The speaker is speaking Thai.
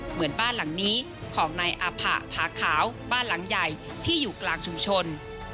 เหมือนบ้านหลังนี้ของนายอาผะผาขาวบ้านหลังใหญ่ที่อยู่กลางชุมชน